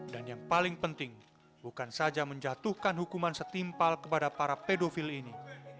dan yang paling penting bukan saja menjatuhkan hukuman setimpal kepada para pedofil ini